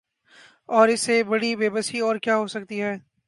اور اس سے بڑی بے بسی اور کیا ہو سکتی ہے